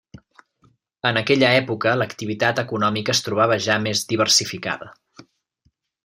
En aquella època l'activitat econòmica es trobava ja més diversificada.